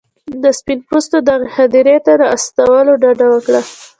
د سپین پوستو دغې هدیرې ته له استولو ډډه وکړه.